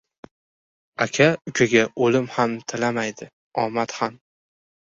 • Aka ukaga o‘lim ham tilamaydi, omad ham.